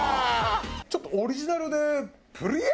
ちょっとオリジナルで。